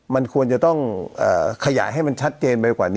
มันควรจะต้องขยายให้มันชัดเจนไปกว่านี้